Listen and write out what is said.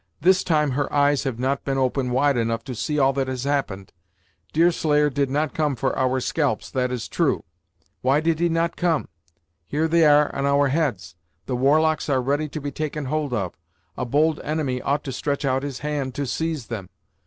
This time, her eyes have not been open wide enough to see all that has happened. Deerslayer did not come for our scalps, that is true; why did he not come? Here they are on our heads; the war locks are ready to be taken hold of; a bold enemy ought to stretch out his hand to seize them.